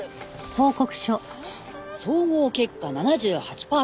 「総合結果７８パーセント」